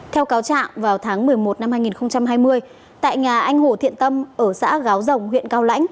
theo cáo trạng vào tháng một mươi một năm hai nghìn hai mươi tại nhà anh hồ thiện tâm ở xã gáo rồng huyện cao lãnh